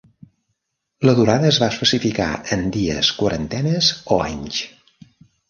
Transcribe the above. La durada es va especificar en dies, quarantenes o anys.